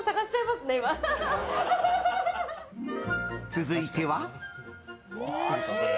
続いては。